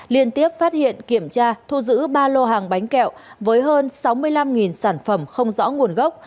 liên tiếp phát hiện kiểm tra thu giữ ba lô hàng bánh kẹo với hơn sáu mươi năm sản phẩm không rõ nguồn gốc